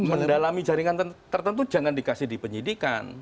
mendalami jaringan tertentu jangan dikasih di penyidikan